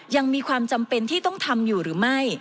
ยังมีความจำเป็นที่ต้องทำอยู่หรือไม่